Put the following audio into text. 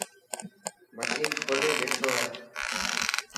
مشِن کولي ٻيٺو هي.